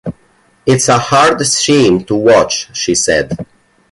"It's a hard scene to watch," she said.